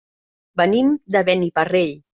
Venim de Beniparrell.